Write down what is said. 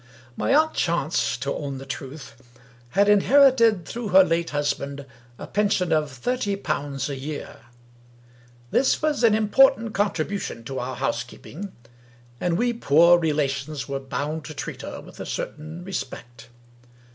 My aunt Chance, to own the truth, had inherited, through her late husband, a pension of thirty pounds a year. This was an important contribution to our housekeeping, and we poor relations were bound to treat her with a certain respect.